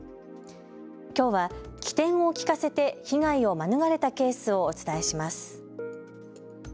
きょうは機転を利かせて被害を免れたケースをお伝えします。